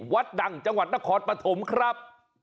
วัดดังจังหวัดนครปฐมครับ